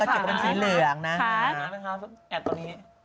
แล้วก็เจอกับมันชีวิตเหลืองนะคะค่ะนะคะแอดตรงนี้